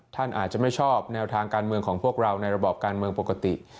ท่านอาจจะไม่ชอบแนวทางการเมืองของพวกเราในระบอบการเมืองปกติ